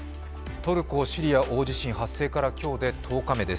トルコ・シリア大地震発生から今日で１０日目です。